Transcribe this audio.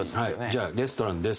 じゃあレストランです。